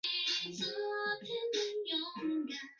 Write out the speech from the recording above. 墓地周围种有绿植。